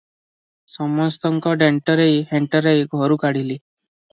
ସମସ୍ତଙ୍କୁ ଦେଣ୍ଟରେଇ ହେଣ୍ଟରେଇ ଘରୁ କାଢ଼ିଲି ।